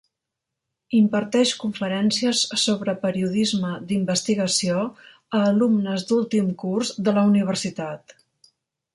Imparteix conferències sobre periodisme d'investigació a alumnes d'últim curs de la universitat.